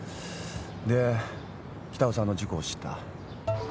で北尾さんの事故を知った。